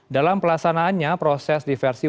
dalam pelaksanaannya proses diversi